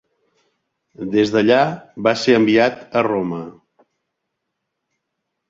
Des d'allà va ser enviat a Roma.